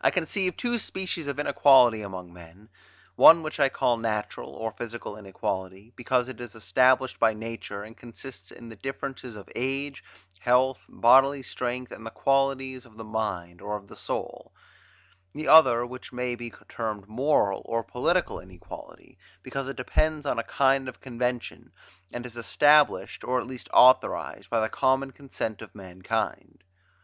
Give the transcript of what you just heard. I conceive two species of inequality among men; one which I call natural, or physical inequality, because it is established by nature, and consists in the difference of age, health, bodily strength, and the qualities of the mind, or of the soul; the other which may be termed moral, or political inequality, because it depends on a kind of convention, and is established, or at least authorized, by the common consent of mankind.